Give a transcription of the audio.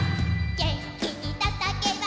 「げんきにたたけば」